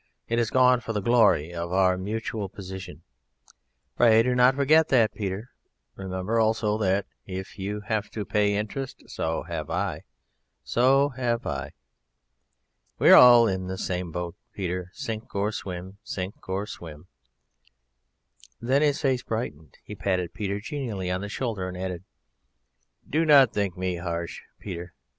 It has gone for the glory of our Mutual Position; pray do not forget that, Peter; and remember also that if you have to pay interest, so have I, so have I. We are all in the same boat, Peter, sink or swim; sink or swim...." Then his face brightened, he patted Peter genially on the shoulder and added: "Do not think me harsh, Peter.